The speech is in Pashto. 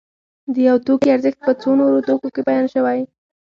د یو توکي ارزښت په څو نورو توکو کې بیان شوی